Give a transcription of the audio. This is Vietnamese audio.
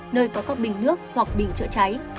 nơi có các bình nước hoặc bình chợ cháy